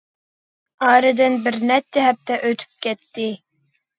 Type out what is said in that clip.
ئارىدىن بىر نەچچە ھەپتە ئۆتۈپ كەتتى.